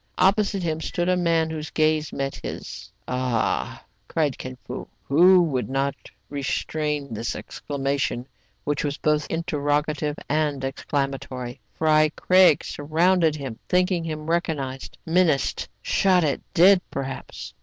Opposite him stood a man whose gaze met his. " Ah !" cried Kin Fo, who could not restrain this exclamation, which was both interrogative and exclamatory. Fry Craig surrounded him, thinking him recog nized, menaced, shot at, dead perhaps.